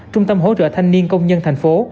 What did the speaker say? trung tâm hỗ trợ thanh niên công nhân thành phố